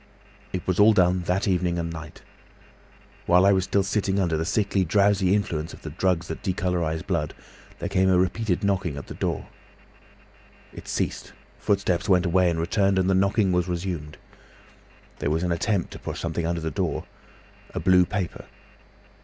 "It was all done that evening and night. While I was still sitting under the sickly, drowsy influence of the drugs that decolourise blood, there came a repeated knocking at the door. It ceased, footsteps went away and returned, and the knocking was resumed. There was an attempt to push something under the door—a blue paper.